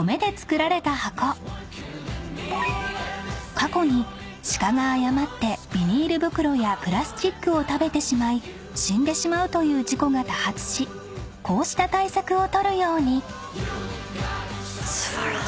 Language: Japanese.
［過去に鹿が誤ってビニール袋やプラスチックを食べてしまい死んでしまうという事故が多発しこうした対策を取るように］